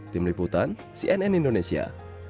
tim liputan cnn indonesia